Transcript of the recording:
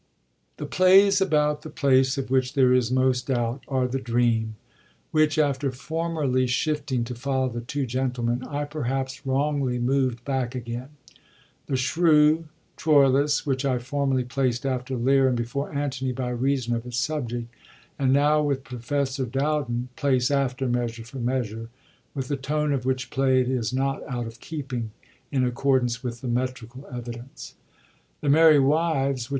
The plays about the place of which there is most doubt, are the Dreatn^— which, after formerly shifting to follow TJie Two Oentlemen, I perhaps wrongly moved back again ; The Shrew; TroUua — which I formerly placed after Lear and before Arvtony by reason of its sub ject^ and now, with Prof. Dowden, place after Measure for Measure, with the tone of which play it is not out of keeping, in accordance with the metrical evidence ; The Merry Wives— which.